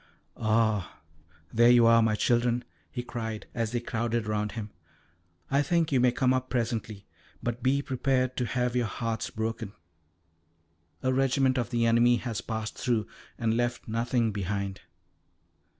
"Ah, there you are, my children," he cried as they crowded round him; "I think you may come up presently, but be prepared to have your hearts broken. A regiment of the enemy has passed through, and left nothing behind.